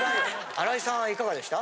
新井さんはいかがでした？